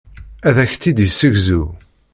Ad ak-tt-id-yessegzu.